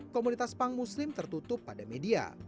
komunitas punk muslim tertutup pada media